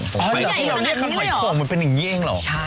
ไปต่อทีอันนี้ดีกว่า